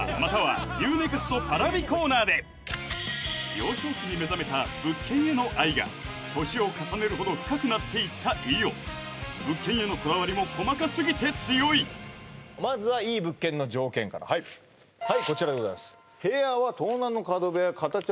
幼少期に目覚めた物件への愛が年を重ねるほど深くなっていった飯尾物件へのこだわりも細かすぎて強いまずは「良い物件の条件」からはいはいこちらでございます